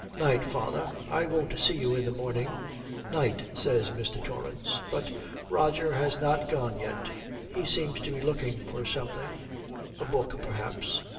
'Night, father; I won't see you in the morning.' ''Night,' says Mr. Torrance. But Roger has not gone yet. He seems to be looking for something a book, perhaps.